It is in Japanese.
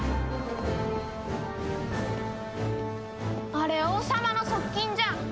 あれ王様の側近じゃん。